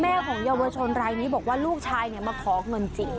ของเยาวชนรายนี้บอกว่าลูกชายมาขอเงินจริง